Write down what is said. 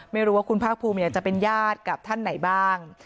ไม่รู้ว่าคุณภาคภูมิอยากจะเป็นญาติกับท่านไหนบ้าง